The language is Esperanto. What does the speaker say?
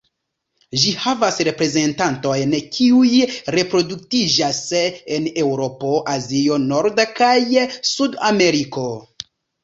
Ĝi havas reprezentantojn kiuj reproduktiĝas en Eŭropo, Azio, Norda, kaj Sud-Ameriko.